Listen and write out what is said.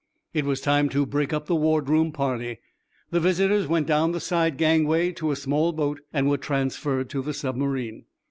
It was time to break up the ward room party. The visitors went down the side gangway to a small boat, and were transferred to the submarine.